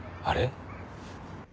あれ？